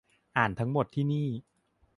อ่านทั้งหมดที่นี่